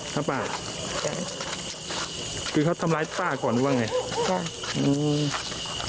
ครับป้าคือเขาทำร้ายป้าก่อนหรือเปล่าไง